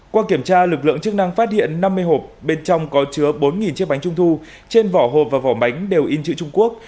qua kiểm tra lực lượng chức năng phát hiện năm mươi hộp bên trong có chứa bốn chiếc bánh trung thu trên vỏ hộp và vỏ bánh đều in chữ trung quốc